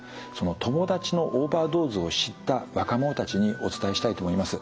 友達のオーバードーズを知った若者たちにお伝えしたいと思います。